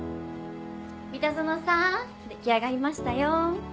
三田園さん出来上がりましたよ。